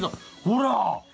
ほら！